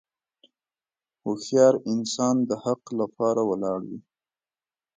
هوښیار انسان د حق لپاره ولاړ وي.